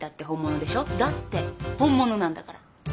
だって本物なんだから。